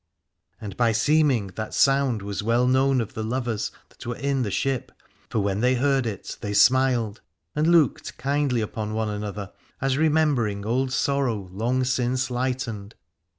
330 Aladore And by seeming that sound was well known of the lovers that were in the ship, for when they heard it they smiled and looked kindly one upon another, as remembering old sorrow long since lightened.